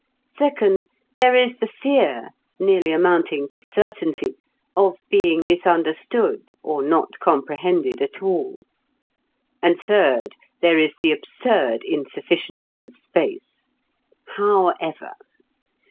Second, there is the fear, nearly amounting to certainty, of being misunderstood or not comprehended at all. And third, there is the absurd insufficiency of space. However!...